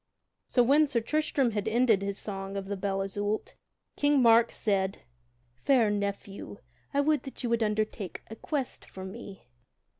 So when Sir Tristram had ended his song of the Belle Isoult, King Mark said: "Fair nephew, I would that you would undertake a quest for me."